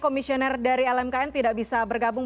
komisioner dari lmkn tidak bisa bergabung